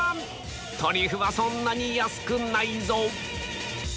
トリュフはそんなに安くないぞ